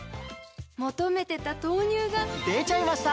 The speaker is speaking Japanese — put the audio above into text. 求めてた豆乳がでちゃいました！